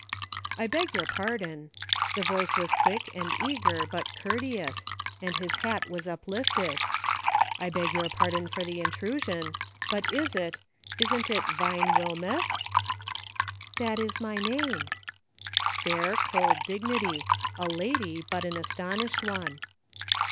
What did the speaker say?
" I beg your pardon," — the voice was quick, and eager, but courteous, and his hat was uplifted, — "I beg your pardon for the intrusion, but is it, isn't it Vine Wilmeth ?"" That is my name." Fair, cold dignity ; a lady, but an astonished one.